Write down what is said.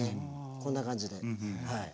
こんな感じではい。